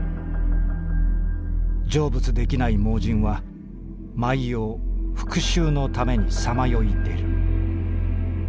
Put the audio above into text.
成仏できない盲人は毎夜復讐のためにさまよい出る」。